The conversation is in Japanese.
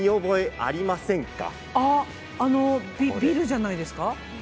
あ、あのビルじゃないですか。